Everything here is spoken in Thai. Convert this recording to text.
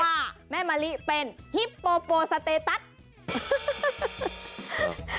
ว่าแม่มะลิเป็นฮิปโปโปสเตตัส